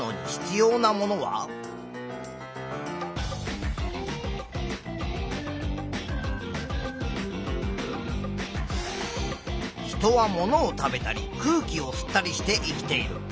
人はものを食べたり空気を吸ったりして生きている。